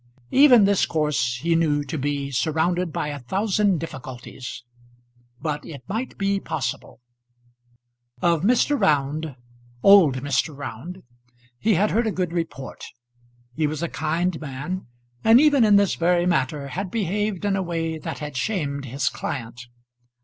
Even this course he knew to be surrounded by a thousand difficulties; but it might be possible. Of Mr. Round, old Mr. Round, he had heard a good report. He was a kind man, and even in this very matter had behaved in a way that had shamed his client.